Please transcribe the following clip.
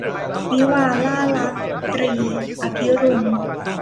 วิวาห์ล่ารัก - ตรี อภิรุม